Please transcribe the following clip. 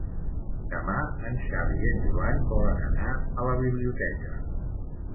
Demà en Xavi i en Joan volen anar a la biblioteca.